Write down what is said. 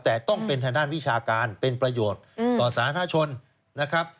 แต่ต้องเป็นทางด้านวิชาการเป็นประโยชน์ต่อสาธารณชนนะครับ